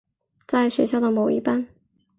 在学校的某一班。